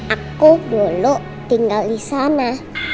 aku dulu tinggal di sana